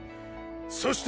そして！！